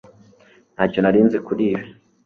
Ntacyo nari nzi kuri ibi